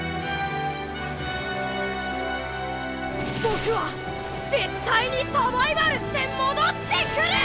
ボクは絶対にサバイバルして戻ってくる！